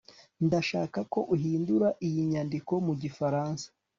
ndashaka ko uhindura iyi nyandiko mu gifaransa